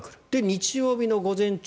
日曜日の午前中